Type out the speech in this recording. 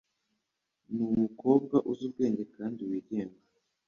Ni umukobwa uzi ubwenge kandi wigenga.